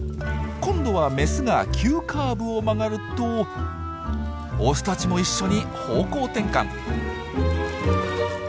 今度はメスが急カーブを曲がるとオスたちも一緒に方向転換。